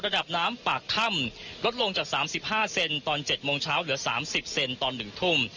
ระดับน้ำปากถ้ำลดลงจาก๓๕เซนตอน๗โมงเช้าเหลือ๓๐เซนตอน๑ทุ่ม